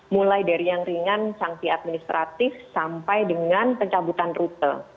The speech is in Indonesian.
mulai dari yang ringan sanksi administratif sampai dengan pencabutan rute